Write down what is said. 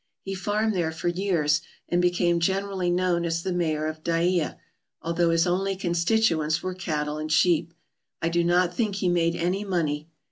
He fanned there for years and became generally known as the Mayor of Dyea, although his only constituents were cattle and sheep. I do not think he made any money.